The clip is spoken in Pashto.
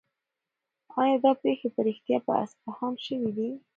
آیا دا پېښې په رښتیا په اصفهان کې شوې دي؟